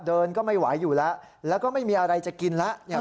เดินก็ไม่ไหวอยู่แล้วแล้วก็ไม่มีอะไรจะกินแล้วเนี่ย